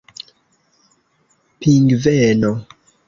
pingveno